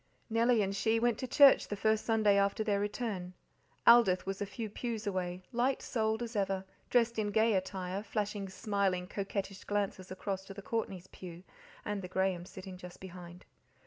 Nellie and she went to church the first Sunday after their return. Aldith was a few pews away, light souled as ever, dressed in gay attire, flashing smiling, coquettish glances across to the Courtneys' pew, and the Grahams sitting just behind.